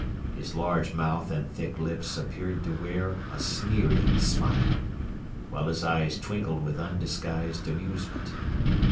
His large mouth and thick lips appeared to wear a sneering smile, while his eyes twinkled with undisguised amusement.